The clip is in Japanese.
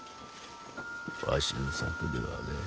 わしの策ではねえ。